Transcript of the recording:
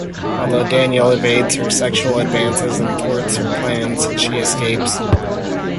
Although Daniel evades her sexual advances and thwarts her plans, she escapes.